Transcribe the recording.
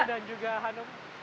dan juga hanum